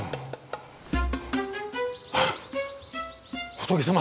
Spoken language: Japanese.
仏様！